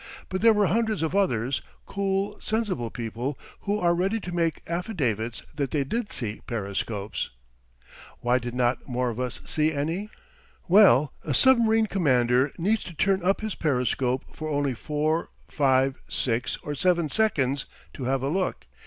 But there were hundreds of others cool, sensible people who are ready to make affidavits that they did see periscopes. Why did not more of us see any? Well, a submarine commander needs to turn up his periscope for only four, five, six, or seven seconds to have a look.